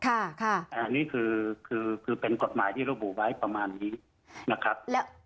อันนี้คือคือเป็นกฎหมายที่ระบุไว้ประมาณนี้นะครับ